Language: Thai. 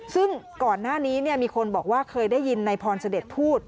ซึ่งก่อนหน้านี้มีคนบอกว่าเคยได้ยินนายพรเสด็จพูด